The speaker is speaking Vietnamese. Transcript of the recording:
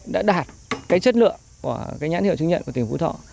đã đạt cái chất lượng của cái nhãn hiệu chứng nhận của tỉnh phú thọ